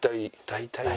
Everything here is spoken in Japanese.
大体。